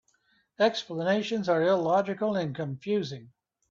Explanations are illogical and confusing.